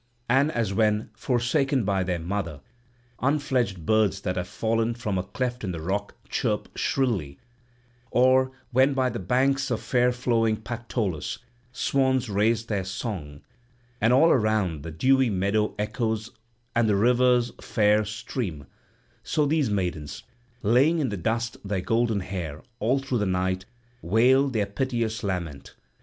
And as when, forsaken by their mother, unfledged birds that have fallen from a cleft in the rock chirp shrilly; or when by the banks of fair flowing Pactolus, swans raise their song, and all around the dewy meadow echoes and the river's fair stream; so these maidens, laying in the dust their golden hair, all through the night wailed their piteous lament.